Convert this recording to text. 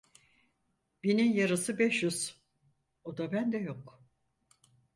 Binin yarısı beş yüz o da ben de yok.